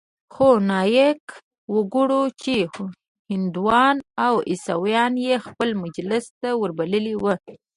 خو نايک وګوره چې هندوان او عيسويان يې خپل مجلس ته وربللي وو.